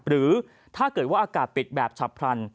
หรือถ้าเกิดว่าอากาศปิดแบบฉับพลัน